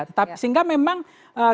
tetapi sehingga memang kembali